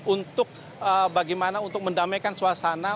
untuk bagaimana untuk mendamaikan suasana